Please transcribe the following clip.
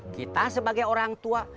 kita sebagai orang tua